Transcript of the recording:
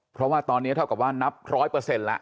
เพราะว่าตอนนี้เท่ากับว่านับ๑๐๐ละ